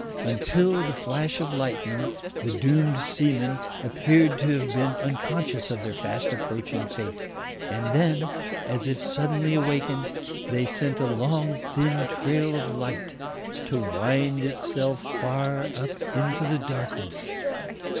Until the flash of lightning the doomed seamen appeared to have been unconscious of their fast approaching fate; and then, as if suddenly awakened, they sent a long thin trail of light, to wind itself far up into the darkness.